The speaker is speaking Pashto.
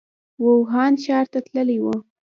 ووهان ښار ته تللی و.